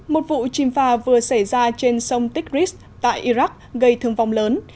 một vụ chìm phà vừa xảy ra trên sông tikris tại iraq gây thương vong lớn